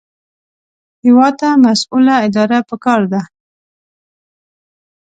هېواد ته مسؤله اداره پکار ده